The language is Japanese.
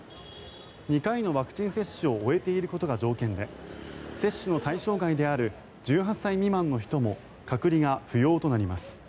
２回のワクチン接種を終えていることが条件で接種の対象外である１８歳未満の人も隔離が不要となります。